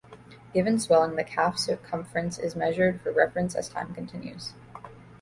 Given swelling, the calf circumference is measured for reference as time continues.